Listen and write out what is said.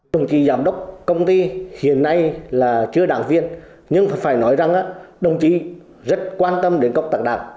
đồng chí giám đốc công ty hiện nay là chưa đảng viên nhưng phải nói rằng đồng chí rất quan tâm đến công tác đảng